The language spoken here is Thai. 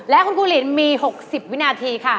และคุณครูหลินมี๖๐วินาทีค่ะ